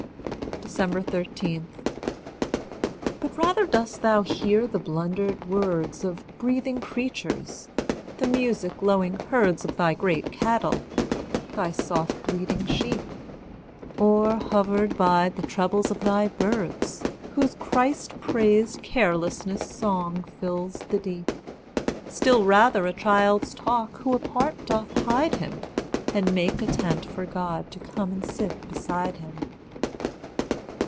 13. But rather dost thou hear the blundered words Of breathing creatures; the music lowing herds Of thy great cattle; thy soft bleating sheep; O'erhovered by the trebles of thy birds, Whose Christ praised carelessness song fills the deep; Still rather a child's talk who apart doth hide him, And make a tent for God to come and sit beside him.